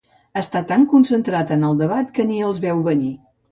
Està tan concentrat en el debat que ni els veu venir.